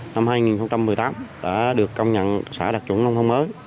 năm hai nghìn một mươi tám đã được công nhận xã đặc trụng nông thông mới